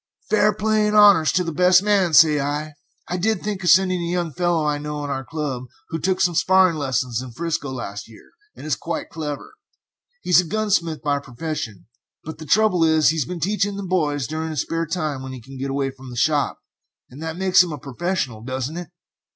"Fair play and honors to the best man, say I! I did think of sending a young fellow I know in our club who took some sparring lessons in 'Frisco last year, and is quite clever; he's a gunsmith by profession, but the trouble is he has been teaching the boys during his spare time when he could get away from the shop, and that makes him a professional, doesn't it?"